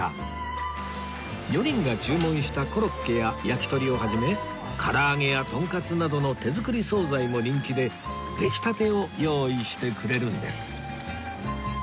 ４人が注文したコロッケや焼き鳥を始めから揚げやとんかつなどの手作り総菜も人気で出来たてを用意してくれるんです